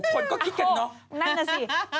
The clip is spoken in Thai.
คนก็คิดเกิดเนอะ